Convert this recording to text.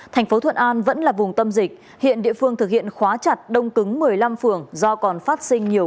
thành phố thuận an vẫn là vùng tâm dịch hiện địa phương thực hiện khóa chặt đông cứng một mươi năm phường do còn phát sinh nhiều